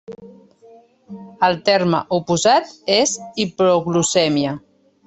El terme oposat és hipoglucèmia.